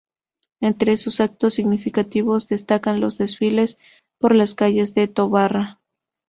Entre esos actos significativos destacan los desfiles por las calles de Tobarra.